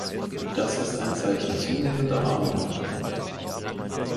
Das ist ein Zeichen zunehmender Armut.